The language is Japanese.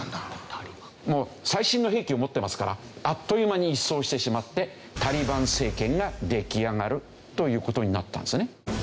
もう最新の兵器を持ってますからあっという間に一掃してしまってタリバン政権が出来上がるという事になったんですね。